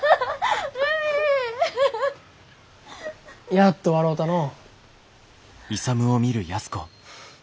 やっと笑うたのう。